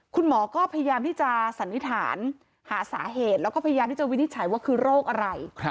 คุณหมอก็พยายามที่จะสันนิษฐานหาสาเหตุแล้วก็พยายามที่จะวินิจฉัยว่าคือโรคอะไร